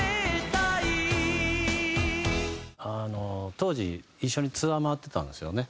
当時一緒にツアー回ってたんですよね